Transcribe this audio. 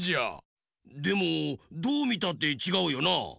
でもどうみたってちがうよな。